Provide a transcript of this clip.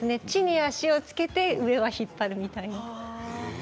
地に足をつけて上は引っ張るみたいに？